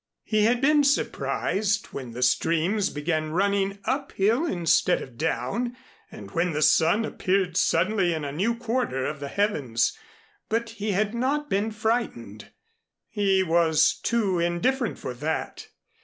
He had been surprised when the streams began running up hill instead of down, and when the sun appeared suddenly in a new quarter of the heavens, but he had not been frightened. He was too indifferent for that.